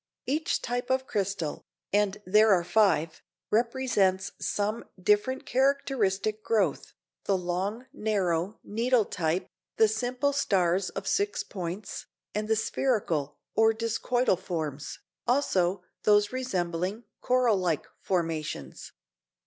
Each type of crystal, and there are five, represents some different characteristic growth—the long, narrow, needle type, the simple stars of six points, and the spherical or discoidal forms; also those resembling coral like formations.